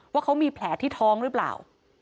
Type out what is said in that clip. ว่าเขามีแผลที่ท้องหรือเปล่า